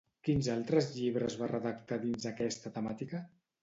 Quins altres llibres va redactar dins aquesta temàtica?